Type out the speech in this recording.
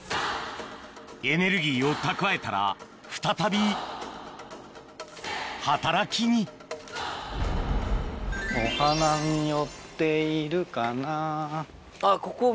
エネルギーを蓄えたら再び働きにお花に寄っているかな。